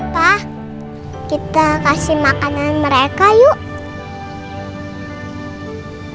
pak kita kasih makanan mereka yuk